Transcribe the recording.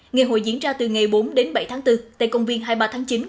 ngày hội diễn ra từ ngày bốn đến bảy tháng bốn tại công viên hai mươi ba tháng chín quận một tp hcm